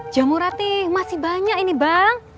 jamurati masih banyak ini bang